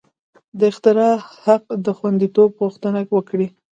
د اختراع حق د خوندیتوب غوښتنه وکړي.